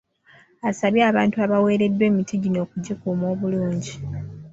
Asabye abantu abaweereddwa emiti gino okugikuuma obulungi.